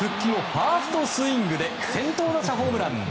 ファーストスイングで先頭打者ホームラン！